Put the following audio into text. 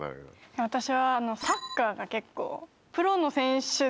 私はサッカーが結構。